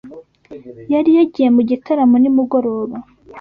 Yari yagiye mu gitaramo nimugoroba.